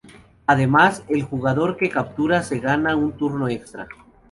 Además, el jugador que captura se gana un turno extra.